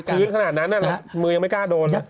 พื้นขนาดนั้นมือยังไม่กล้าโดน